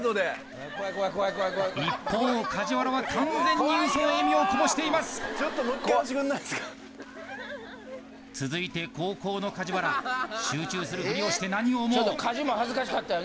一方梶原は完全に嘘の笑みをこぼしています続いて後攻の梶原集中する振りをして何を思う？